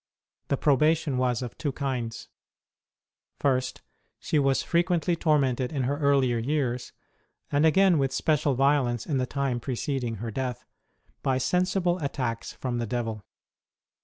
The probation was of two kinds. First, she was frequently tormented in her earlier years, and again with special violence in the time preceding her death, by sensible attacks from the devil.